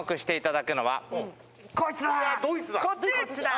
こいつだ！